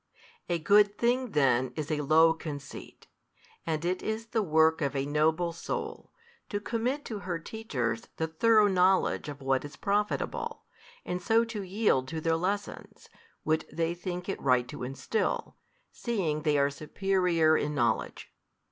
A good thing then is a low conceit, and it is the work of a noble soul, to commit to her teachers the thorough knowledge of what is profitable, and so to yield to their lessons, which they think it right to instil, seeing they are superior in knowledge.